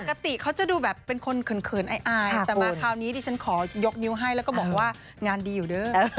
ปกติเขาจะดูแบบเป็นคนเขินอายแต่มาคราวนี้ดิฉันขอยกนิ้วให้แล้วก็บอกว่างานดีอยู่เด้อ